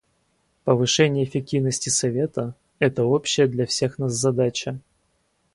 Повышение эффективности Совета — это общая для всех нас задача.